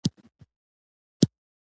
لمر په خپله رڼا ټول ځایونه روښانوي.